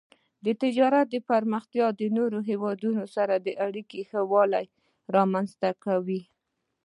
د تجارت پراختیا د نورو هیوادونو سره د اړیکو ښه والی رامنځته کوي.